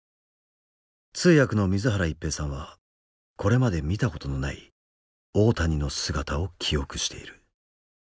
通訳の水原一平さんはこれまで見たことのない大谷の姿を記憶している。